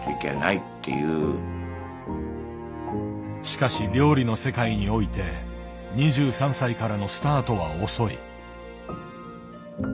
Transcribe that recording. しかし料理の世界において２３歳からのスタートは遅い。